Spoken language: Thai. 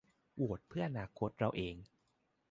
โหวตเพื่ออนาคตเราเอง